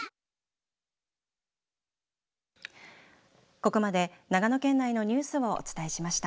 ここまで長野県内のニュースをお伝えしました。